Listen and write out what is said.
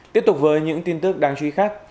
tiếp tục với những tin tức đáng chú ý khác